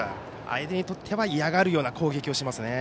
相手にとっては嫌がるような攻撃をしますよね。